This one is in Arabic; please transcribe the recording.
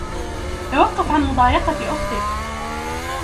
توقف عن مضايقة أُختك!